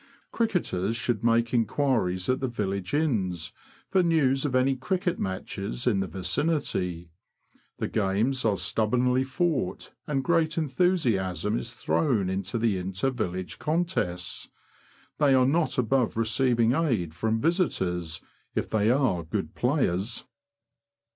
Cricketers should make inquiries at the village inns for news of any cricket matches in the vicinity. The games are stubbornly fought, and great enthusiasm is thrown into the inter village contests. They are not above receiving aid from visitors, if they are good players.